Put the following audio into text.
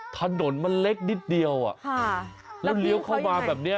ถนนมันเล็กนิดเดียวแล้วเลี้ยวเข้ามาแบบนี้